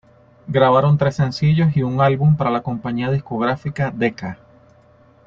Grabaron tres sencillos y un álbum para la compañía discográfica Decca.